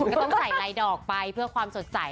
ก็ต้องใส่ลายดอกไปเพื่อความสดใส